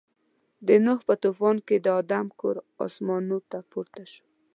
د نوح په طوفان کې د آدم کور اسمانو ته پورته شو.